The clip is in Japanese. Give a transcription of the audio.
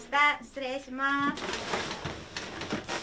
失礼します。